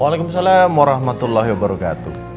waalaikumsalam warahmatullahi wabarakatuh